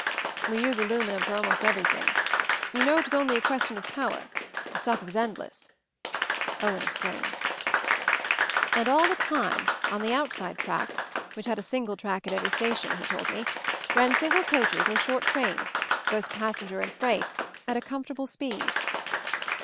"We use aluminum for almost every thing. You know it was only a question of power — the stuff is endless," Owen ex plained. And all the time, on the outside tracks, 174 MOVING THE MOUNTAIN which had a side track at every station, he told me, ran single coaches or short trains, both passenger and freight, at a comfort able speed.